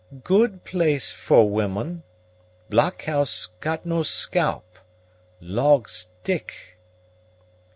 "Good place for woman. Blockhouse got no scalp. Logs t'ick."